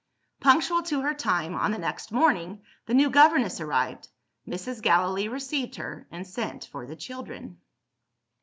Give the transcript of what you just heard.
Punctual to her time, on the next morning, the new governess arrived. Mrs. Gallilee received her, and sent for the children.